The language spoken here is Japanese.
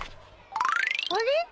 あれ？